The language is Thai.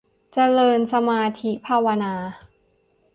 เจริญสมาธิภาวนา